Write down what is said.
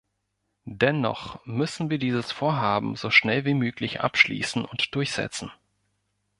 Dennoch müssen wir dieses Vorhaben so schnell wie möglich abschließen und durchsetzen.